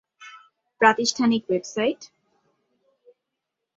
প্রাতিষ্ঠানিক ওয়েবসাইট